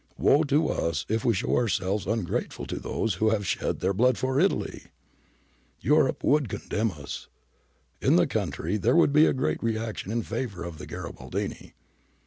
Woe to us if we show ourselves ungrateful to those who have shed their blood for Italy ! Europe would condemn us. In the country there would be a great reaction in favour of the Garibaldini.